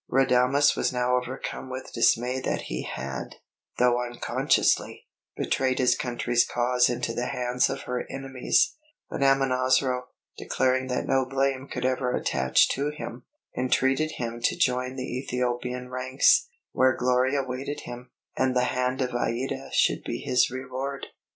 Radames was now overcome with dismay that he had, though unconsciously, betrayed his country's cause into the hands of her enemies; but Amonasro, declaring that no blame could ever attach to him, entreated him to join the Ethiopian ranks, where glory awaited him, and the hand of Aïda should be his reward.